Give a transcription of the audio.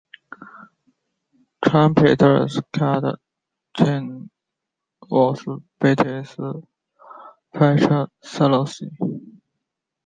Trumpeter Scott Steen was Bette's featured soloist.